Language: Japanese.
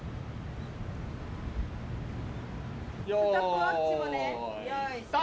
よい。